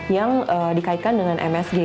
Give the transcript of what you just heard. yang dikaitkan dengan msg